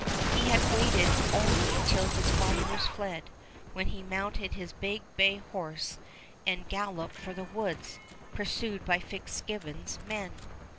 He had waited only till his followers fled, when he mounted his big bay horse and galloped for the woods, pursued by Fitzgibbons' men.